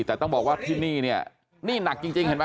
แต่ต้องบอกว่าที่นี่เนี่ยนี่หนักจริงเห็นไหม